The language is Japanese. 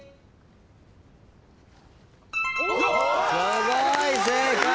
すごい！正解！